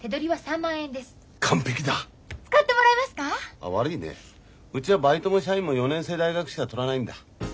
あ悪いねうちはバイトも社員も四年制大学しか採らないんだ。